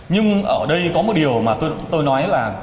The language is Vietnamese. nhưng ở đây có một điều mà tôi nói là